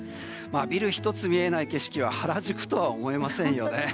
ビル一つ見えない景色は原宿とは思えませんよね。